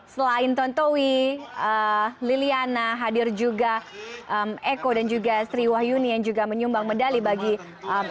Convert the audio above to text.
selain tontowi liliana hadir juga eko dan juga sri wahyuni yang juga menyumbang medali bagi